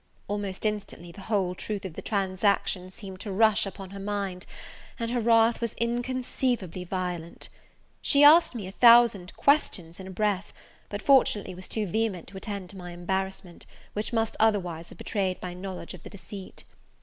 Almost instantly the whole truth of the transaction seemed to rush upon her mind, and her wrath was inconceivably violent. She asked me a thousand questions in a breath; but, fortunately, was too vehement to attend to my embarrassment, which must otherwise have betrayed my knowledge of the deceit.